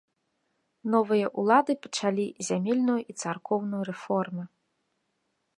Новыя ўлады пачалі зямельную і царкоўную рэформы.